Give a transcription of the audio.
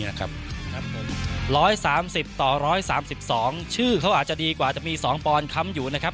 ร้อยสามสิบต่อร้อยสามสิบสองชื่อเขาอาจจะดีกว่าจะมีสองปอนคำอยู่นะครับ